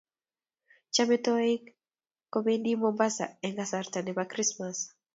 Chomei toik kobendii Mombasaa eng kasarta ne bo Krismas.